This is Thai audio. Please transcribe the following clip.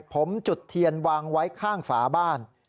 ผมจุดเทียนวางไว้ข้างฝาบ้าน